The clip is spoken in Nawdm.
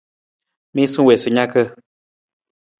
Miisa wii sa naka.